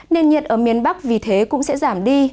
nền nhiệt ở miền bắc vì thế cũng sẽ giảm đi